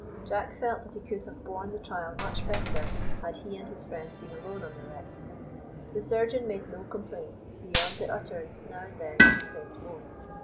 Jack felt that he could have borne the trial much better, had he and his friends been alone on the wreck. The surgeon made no complaint, beyond the utterance now and then of a faint moan.